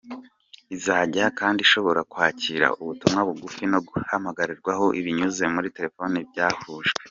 Izajya kandi ishobora kwakira ubutumwa bugufi no guhamagarwaho binyuze muri telefoni byahujwe.